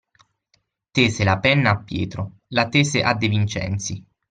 Tese la penna a Pietro, la tese a De Vincenzi.